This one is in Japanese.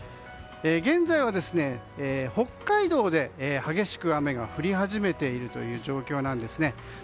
現在は北海道で激しく雨が降り始めているという状況なんですね。